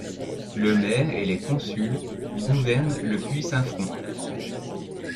Le maire et les consuls gouvernent le Puy-Saint-Front.